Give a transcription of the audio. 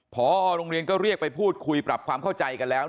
พอโรงเรียนก็เรียกไปพูดคุยปรับความเข้าใจกันแล้ว